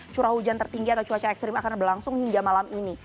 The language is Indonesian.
curah hujan tertinggi atau cuaca ekstrim akan berlangsung hingga malam ini